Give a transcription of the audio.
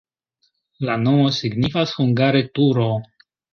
La nomo signifas hungare: turo.